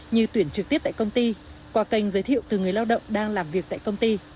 như tuyển trực tiếp tại công ty qua kênh giới thiệu từ người lao động đang làm việc tại công ty